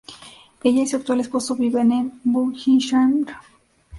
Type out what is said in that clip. Ella y su actual esposo viven en Buckinghamshire.